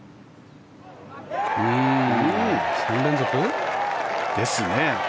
３連続？ですね。